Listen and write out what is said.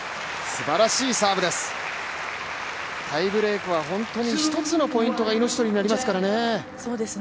すばらしいサーブです、タイブレークは本当に１つのポイントが命取りになりますからね。